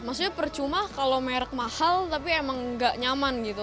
maksudnya percuma kalau merk mahal tapi emang enggak nyaman gitu